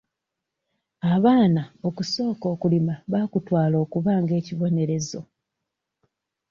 Abaana okusooka okulima baakutwala okuba nga ekibonerezo.